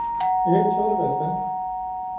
Jeg kan ikke taale at være i spænding